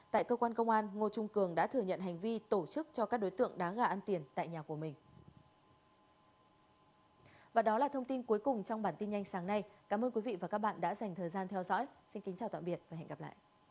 tại cơ quan công an ngô trung cường đã thừa nhận hành vi tổ chức cho các đối tượng đá gà ăn tiền tại nhà của mình